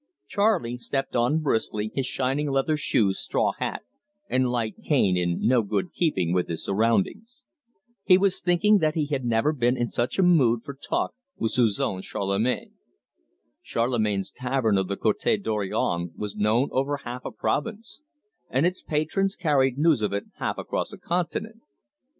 Charley stepped on briskly, his shining leather shoes, straw hat, and light cane in no good keeping with his surroundings. He was thinking that he had never been in such a mood for talk with Suzon Charlemagne. Charlemagne's tavern of the Cote Dorion was known over half a province, and its patrons carried news of it half across a continent.